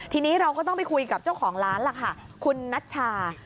ทีนี้เราก็ต้องไปคุยกับเจ้าของร้านล่ะค่ะคุณนัชชา